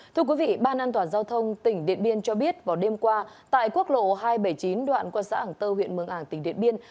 thưa quý vị ban an toàn giao thông tỉnh điện biên cho biết vào đêm qua tại quốc lộ hai trăm bảy mươi chín đoạn qua xã ảng tơ huyện mường ảng tỉnh điện biên